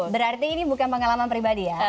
berarti ini bukan pengalaman pribadi ya